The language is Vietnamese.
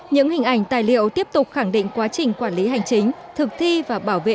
những hình ảnh tài liệu tiếp tục khẳng định quá trình quản lý hành chính thực thi và bảo vệ